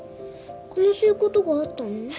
悲しいことがあったの？